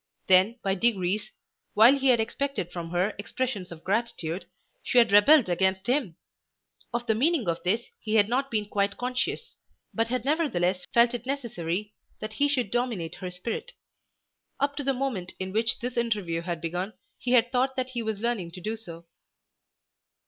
Then by degrees, while he had expected from her expressions of gratitude, she had rebelled against him! Of the meaning of this he had not been quite conscious, but had nevertheless felt it necessary that he should dominate her spirit. Up to the moment in which this interview had begun he had thought that he was learning to do so.